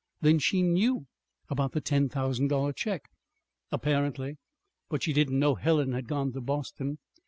"Then she knew about the ten thousand dollar check?" "Apparently. But she didn't know Helen had gone to Boston.